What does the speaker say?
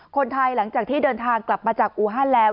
คนไทยหลังจากที่เดินทางกลับมาจากอูฮันแล้ว